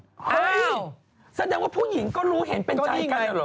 เฮ้ยแสดงว่าผู้หญิงก็รู้เห็นเป็นใจกันเหรอ